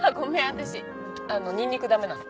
私ニンニクダメなの。